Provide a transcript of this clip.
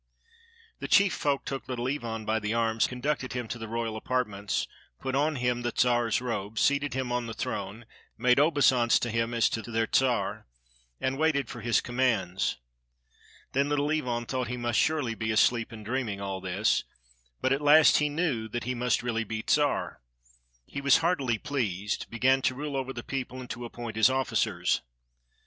The chief folk took Little Ivan by the arms, conducted him to the royal apartments, put on him the Czar's robes, seated him on the throne, made obeisance to him as to their Czar, and waited for his commands. Then Little Ivan thought he must surely be asleep and dreaming all this; but at last he knew that he must be really Czar. He was heartily pleased, began to rule over the people, and to appoint his officers.